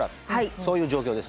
そういう状況ですね。